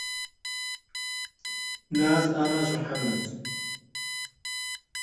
فارس زەرد هەڵگەڕا، گوتی: